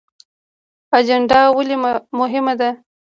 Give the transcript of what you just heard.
اجنډا ولې مهمه ده؟